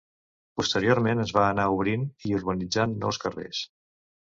Posteriorment, es van anar obrint i urbanitzant nous carrers.